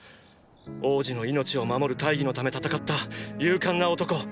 “王子の命を守る大義のため戦った勇敢な男”。